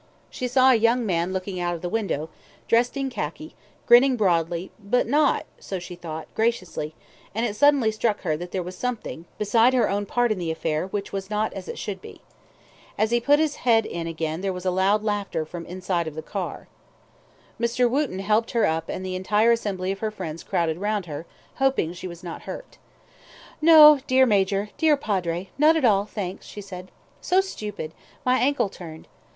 She saw a young man looking out of the window, dressed in khaki, grinning broadly, but not, so she thought, graciously, and it suddenly struck her that there was something, beside her own part in the affair, which was not as it should be. As he put his head in again there was loud laughter from the inside of the car. Mr. Wootten helped her up and the entire assembly of her friends crowded round her, hoping she was not hurt. "No, dear Major, dear Padre, not at all, thanks," she said. "So stupid: my ankle turned.